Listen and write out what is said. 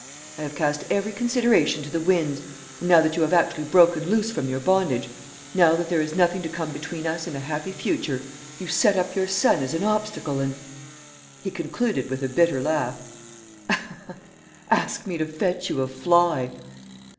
I have cast every consideration to the winds; and now that you have actually broken loose from your bondage, now that there is nothing to come between us and a happy future, you set up your son as an obstacle, and" he concluded with a bitter laugh "ask me to fetch you a fly!"